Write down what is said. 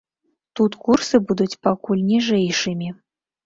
Тут курсы будуць пакуль ніжэйшымі.